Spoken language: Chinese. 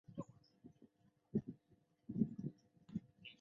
椰树广泛分布于除高地之外的地区。